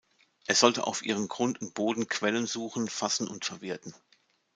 Er sollte auf ihrem Grund und Boden Quellen suchen, fassen und verwerten.